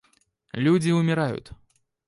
Люди умирают.